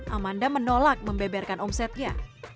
namun soal omset amanda menolak membeberkan omsetnya